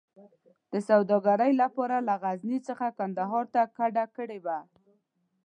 د سوداګرۍ لپاره له غزني څخه کندهار ته کډه کړې وه.